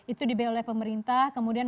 itu dibiaya oleh pemerintah kemudian